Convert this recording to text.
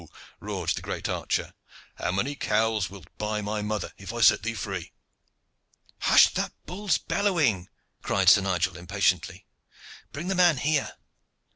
roared the great archer. "How many cows wilt buy my mother, if I set thee free?" "Hush that bull's bellowing!" cried Sir Nigel impatiently. "Bring the man here.